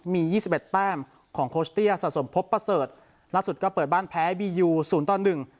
มียี่สิบเอ็ดแต้มของโคชเตี้ยสะสมพบประเสริฐล่าสุดก็เปิดบ้านแพ้บียูศูนย์ต่อหนึ่ง